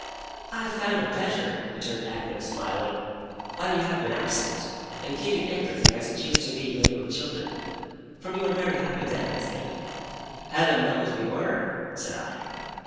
'I have found a pleasure,' returned Agnes, smiling, 'while you have been absent, in keeping everything as it used to be when we were children. For we were very happy then, I think.' 'Heaven knows we were!' said I.